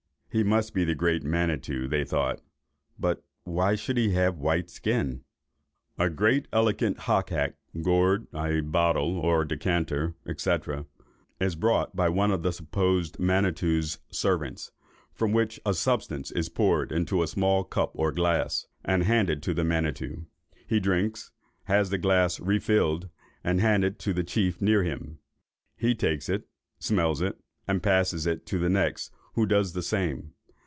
He must be the great Manitto, they thought; but why should he have a white skin? A large elegant hockhack (gourd, i.e. bottle, decanter, &c.) is brought by one of the supposed Manitto's servants, from which a substance is poured into a small cup or glass, and handed to the Manitto. He drinks, has the glass refilled, and handed to the chief near him; he takes it, smells it, and passes it to the next, who does the same.